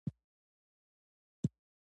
د وسلو په څار پسې دلته راشي.